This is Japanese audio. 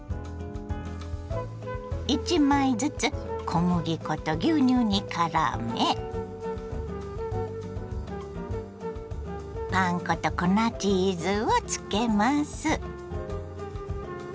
１枚ずつ小麦粉と牛乳にからめパン粉と粉チーズをつけます。